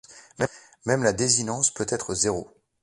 Même la désinence peut être zéro.